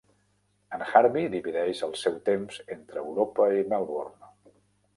En Harvey divideix el seu temps entre Europa i Melbourne.